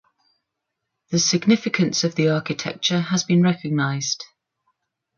The significance of the architecture has been recognized.